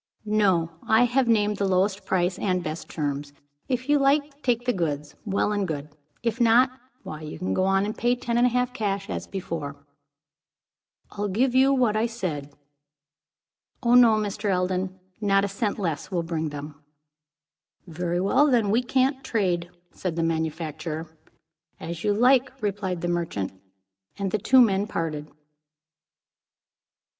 "No. I have named the lowest price and best terms. If you like to take the goods, well and good; if not, why you can go on and pay ten and a half, cash, as before." "I'll give you what I said." "Oh, no, Mr. Eldon. Not a cent less will bring them." "Very well. Then we can't trade," said the manufacturer. "As you like," replied the merchant. And the two men parted.